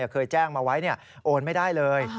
เคยแจ้งมาไว้โอนไม่ได้เลย